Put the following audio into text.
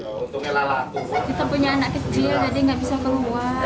kita punya anak kecil jadi nggak bisa keluar